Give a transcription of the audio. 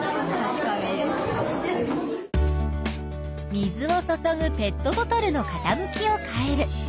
水を注ぐペットボトルのかたむきを変える。